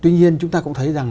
tuy nhiên chúng ta cũng thấy rằng